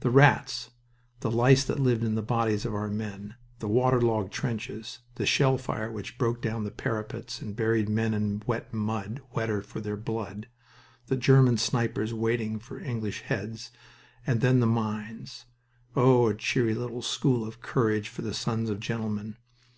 The rats, the lice that lived on the bodies of our men, the water logged trenches, the shell fire which broke down the parapets and buried men in wet mud, wetter for their blood, the German snipers waiting for English heads, and then the mines oh, a cheery little school of courage for the sons of gentlemen!